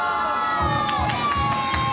イエーイ！